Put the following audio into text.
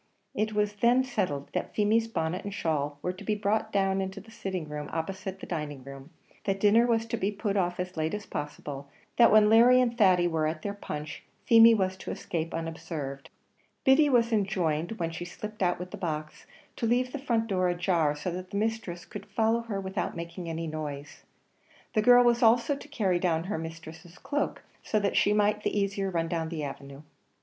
It was then settled that Feemy's bonnet and shawl were to be brought down into the sitting room opposite the dining room that dinner was to be put off as late as possible that when Larry and Thady were at their punch, Feemy was to escape unobserved. Biddy was enjoined, when she slipped out with the box, to leave the front door ajar, so that her mistress could follow her without making any noise. The girl was also to carry down her mistress' cloak so that she might the easier run down the avenue.